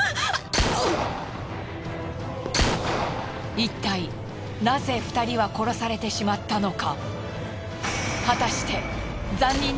いったいなぜ２人は殺されてしまったのか？